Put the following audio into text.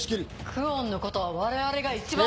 久遠のことは我々が一番。